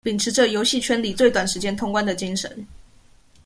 秉持著遊戲圈裡最短時間通關的精神